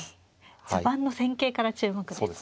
序盤の戦型から注目ですね。